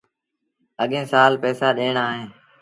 اَڳيٚن سآل پئيٚسآ ڏيڻآ اهيݩ۔